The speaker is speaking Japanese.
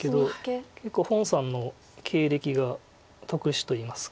結構洪さんの経歴が特殊といいますか。